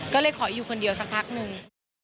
ก็เลยขออยู่คนเดียวสักพักหนึ่ง